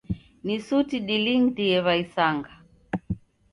Ni suti dilindie w'aisanga.